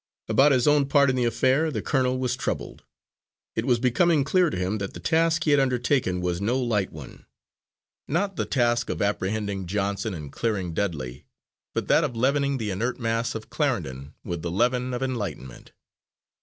About his own part in the affair the colonel was troubled. It was becoming clear to him that the task he had undertaken was no light one not the task of apprehending Johnson and clearing Dudley, but that of leavening the inert mass of Clarendon with the leaven of enlightenment.